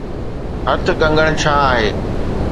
هٿ ڪنگڻ ڇا آهي؟